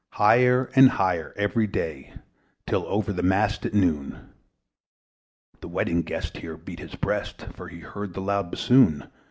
Higher and higher every day, Till over the mast at noon The Wedding Guest here beat his breast, For he heard the loud bassoon.